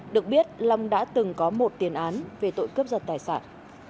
được biết long đã từng có một tiền án về tội cướp giật tài sản